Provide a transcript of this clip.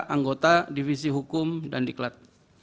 anggota divisi hukum dan diklat